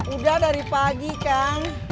udah dari pagi kang